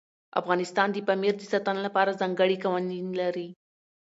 افغانستان د پامیر د ساتنې لپاره ځانګړي قوانین لري.